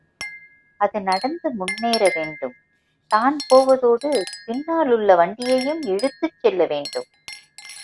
அது நடந்து முன்னேற வேண்டும், தான் போவதோடு, பின்னாலுள்ள வண்டியையும் இழுத்துச் செல்ல வேண்டும்.